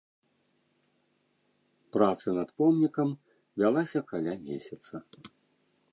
Праца над помнікам вялася каля месяца.